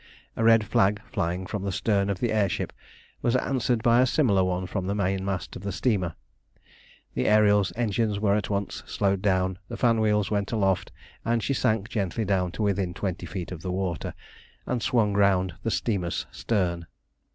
A red flag flying from the stern of the air ship was answered by a similar one from the mainmast of the steamer. The Ariel's engines were at once slowed down, the fan wheels went aloft, and she sank gently down to within twenty feet of the water, and swung round the steamer's stern.